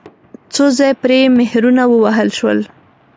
څو ځایه پرې مهرونه ووهل شول.